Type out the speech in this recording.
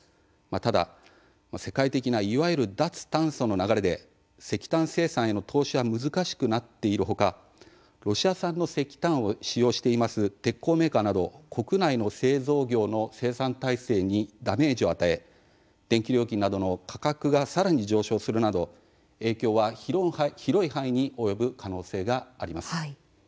ただ、世界的ないわゆる脱炭素の流れで石炭生産への投資は難しくなっているほかロシア産の石炭を使用しています鉄鋼メーカーなど国内の製造業の生産体制にダメージを与え電気料金などの価格がさらに上昇するなど影響は広い範囲に及ぶ可能性があります。